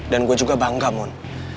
dan gue juga bangga mon